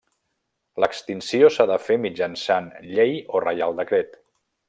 L'extinció s'ha de fer mitjançant llei o Reial Decret.